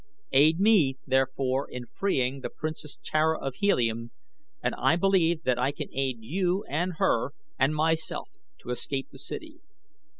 Aid me, therefore, in freeing the Princess Tara of Helium and I believe that I can aid you and her and myself to escape the city.